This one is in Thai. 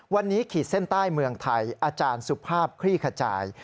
วันนี้ขีดเส้นใต้เมืองไทยอาจารย์สุภาพคลี่ขจาย